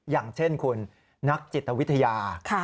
อย่างเช่นคุณนักจิตวิทยา